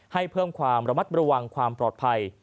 ให้เพิ่มความระมัดระวังความปลอดภัย